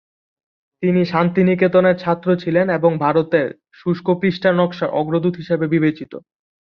তিনি শান্তিনিকেতনের ছাত্র ছিলেন এবং ভারতের শুষ্কপৃষ্ঠা-নকশার অগ্রদূত হিসেবে বিবেচিত।